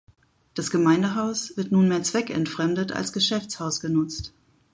Das Gemeindehaus wird nunmehr zweckentfremdet als Geschäftshaus genutzt.